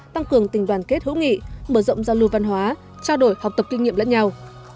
tăng cường tình đoàn kết hữu nghị mở rộng giao lưu văn hóa trao đổi học tập kinh nghiệm lẫn nhau